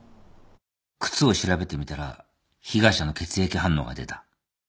靴を調べてみたら被害者の血液反応が出た。